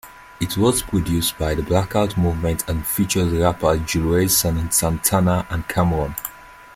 It was produced by The Blackout Movement and features rappers Juelz Santana and Cam'ron.